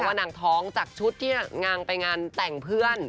ว่านางท้องจากชุดที่นางไปงานแต่งเพื่อน